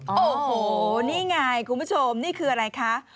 โอ้โหนี่ไงคุณผู้ชมนี่คืออะไรคะ